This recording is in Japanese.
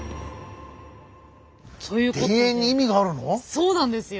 そうなんですよ。